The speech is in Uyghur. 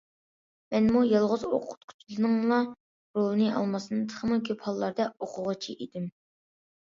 مەنمۇ يالغۇز ئوقۇتقۇچىنىڭلا رولىنى ئالماستىن، تېخىمۇ كۆپ ھاللاردا ئوقۇغۇچى ئىدىم.